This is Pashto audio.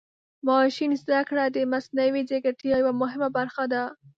ماشین زده کړه د مصنوعي ځیرکتیا یوه مهمه برخه ده.